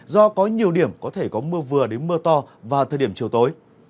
do có nhiều điểm có thể có mưa vừa đến mưa to vào thời điểm chiều tối